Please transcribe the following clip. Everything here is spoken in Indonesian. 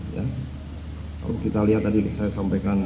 kalau kita lihat tadi saya sampaikan